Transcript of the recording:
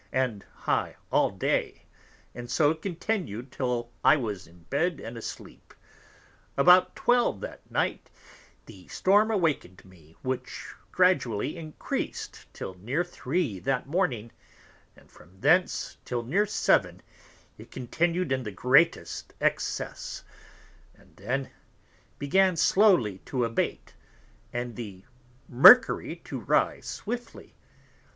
and high all Day, and so continued till I was in Bed and asleep. About 12 that Night, the Storm awaken'd me, which gradually encreas'd till near 3 that Morning; and from thence till near 7 it continued in the greatest excess: and then began slowly to abate, and the Mercury to rise swiftly.